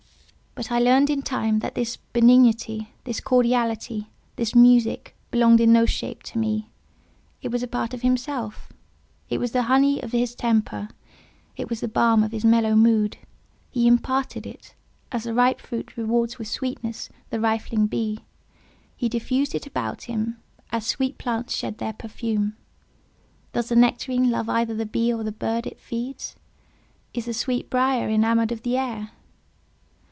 But I learned in time that this benignity, this cordiality, this music, belonged in no shape to me: it was a part of himself; it was the honey of his temper; it was the balm of his mellow mood; he imparted it, as the ripe fruit rewards with sweetness the rifling bee; he diffused it about him, as sweet plants shed their perfume. Does the nectarine love either the bee or bird it feeds? Is the sweetbriar enamoured of the air?